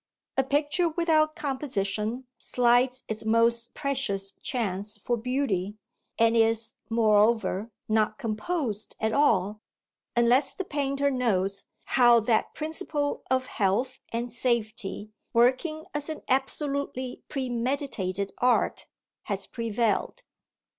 A picture without composition slights its most precious chance for beauty, and is, moreover, not composed at all unless the painter knows how that principle of health and safety, working as an absolutely premeditated art, has prevailed.